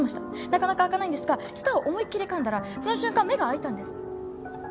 なかなか開かないんですが舌を思いっきり噛んだらその瞬間目が開いたんです。